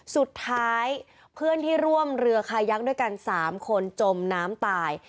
สุดท้ายเพื่อนที่ร่วมเรือคายักษ์ด้วยกัน๓คนจมน้ำตาย